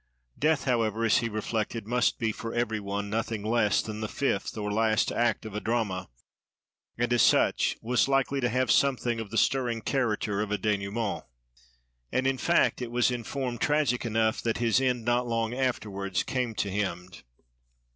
Death, however, as he reflected, must be for every one nothing less than the fifth or last act of a drama, and, as such, was likely to have something of the stirring character of a dénouement. And, in fact, it was in form tragic enough that his end not long afterwards came to him.